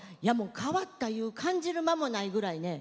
変わったいう感じる間もないぐらいね